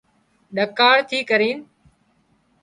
ۮڪاۯ ٿي ڪرينَ